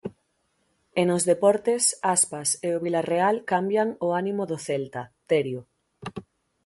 E nos deportes, Aspas e o Vilarreal cambian o ánimo do Celta, Terio.